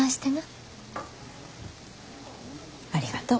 ありがとう。